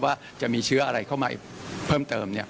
ว่าจะมีเชื้ออะไรเข้ามาเพิ่มเติม